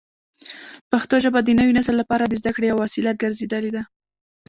پښتو ژبه د نوي نسل لپاره د زده کړې یوه وسیله ګرځېدلې ده.